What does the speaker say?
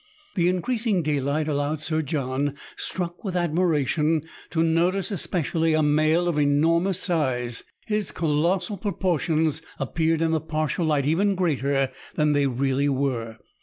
The increasing daylight allowed Sir John, struck with admiration, to notice espe cially a male of enormous size. His colossal proportions appeared in the partial light even greater than they really were.